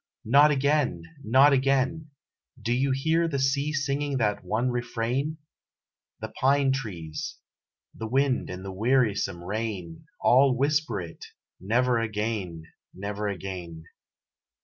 "Not again!" "Not again!" Do you hear the sea singing that one refrain? The pine trees, the wind and the wearysome rain All whisper it; "Never again!" "Not again!"